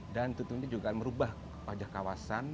dan tentunya juga merubah wajah kawasan